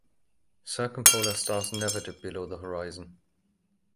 Circumpolar stars never dip below the horizon.